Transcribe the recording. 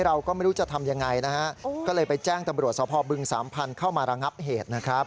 เราก็ไม่รู้จะทำยังไงนะฮะก็เลยไปแจ้งตำรวจสพบึงสามพันธุ์เข้ามาระงับเหตุนะครับ